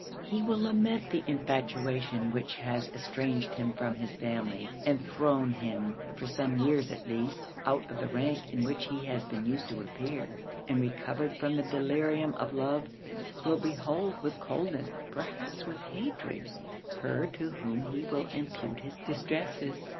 He will lament the infatuation which has estranged him from his family, and thrown him, for some years at least, out of the rank in which he has been used to appear; and recovered from the delirium of love, will behold with coldness, perhaps with hatred, her to whom he will impute his distresses.